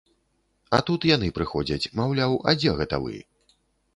А тут яны прыходзяць, маўляў, а дзе гэта вы?